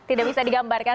tidak bisa digambarkan